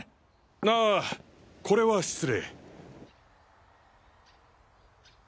ああこれは失礼。